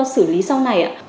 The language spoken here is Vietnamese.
xử lý sau này